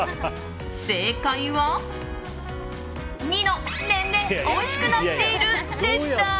正解は、２の年々、おいしくなっているでした。